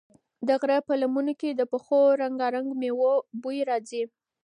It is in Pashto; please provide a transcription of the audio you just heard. د غره په لمنو کې د پخو رنګارنګو مېوو بوی راځي.